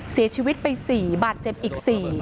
เสียชีวิตไป๔บาทเจ็บอีก๔